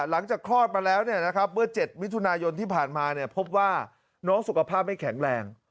คลอดมาแล้วเมื่อ๗มิถุนายนที่ผ่านมาพบว่าน้องสุขภาพไม่แข็งแรง